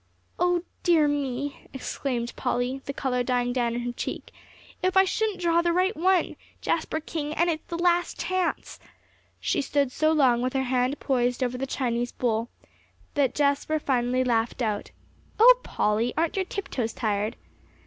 "Oh dear me!" exclaimed Polly, the color dying down in her cheek, "if I shouldn't draw the right one, Jasper King; and it's the last chance." She stood so long with her hand poised over the Chinese bowl, that Jasper finally laughed out. "Oh, Polly, aren't your tiptoes tired?"